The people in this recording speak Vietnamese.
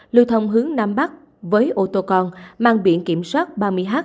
lưu thông hướng nam bắc với ô tô con mang biển kiểm soát ba mươi h